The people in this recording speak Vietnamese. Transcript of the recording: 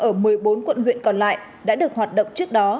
ở một mươi bốn quận huyện còn lại đã được hoạt động trước đó